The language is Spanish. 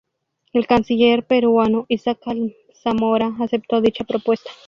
El canciller peruano Isaac Alzamora aceptó dicha propuesta.